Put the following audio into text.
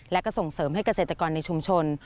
และก็ส่งเสริมให้เกษตรกรในชุมชน